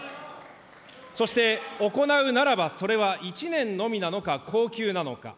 そして、行うならば、それは１年のみなのか恒久なのか。